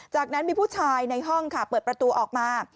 จากนั้นมีผู้ชายในห้องค่ะเปิดประตูออกมา